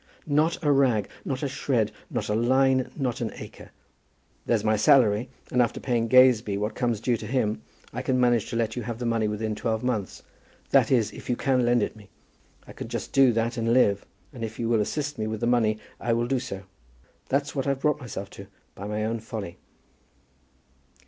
"Not a rag, not a shred, not a line, not an acre. There's my salary, and after paying Gazebee what comes due to him, I can manage to let you have the money within twelve months, that is, if you can lend it me. I can just do that and live; and if you will assist me with the money, I will do so. That's what I've brought myself to by my own folly."